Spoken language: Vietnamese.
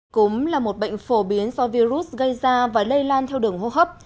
cúm là một bệnh phổ biến do virus gây ra và lây lan theo đường hô hấp